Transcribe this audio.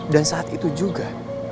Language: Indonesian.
dan saat itu juga